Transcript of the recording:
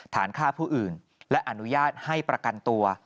ฐานฆ่าผู้อื่นและอนุญาตให้ประกันตัว